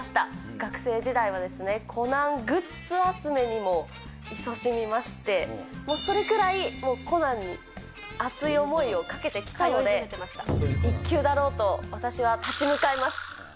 学生時代は、コナングッズ集めにもいそしみまして、それくらいもうコナンに熱い思いをかけてきたので、１級だろうと私は立ち向かいます。